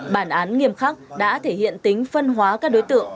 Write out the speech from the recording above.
bản án nghiêm khắc đã thể hiện tính phân hóa các đối tượng